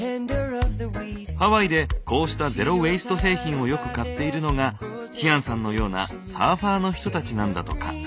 ハワイでこうしたゼロウェイスト製品をよく買っているのがキアンさんのようなサーファーの人たちなんだとか。